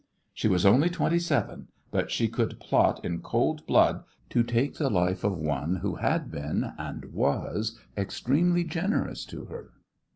She was only twenty seven, but she could plot in cold blood to take the life of one who had been and was extremely generous to her.